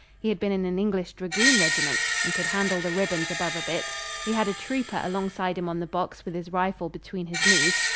He had been in an English dragoon regiment, and could handle the ribbons above a bit. He had a trooper alongside him on the box with his rifle between his knees.